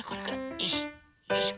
よいしょよいしょ。